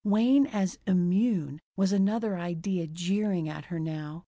Wayne as "immune" was another idea jeering at her now.